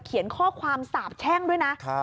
เขียนข้อความสาบแช่งด้วยนะ